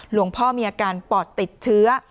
หลวงพ่อมีอาการปอดติดเชื้อ